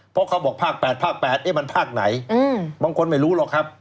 เพราะเขาบอกภาค๘ภาค๘มันภาคไหนบางคนไม่รู้หรอกครับ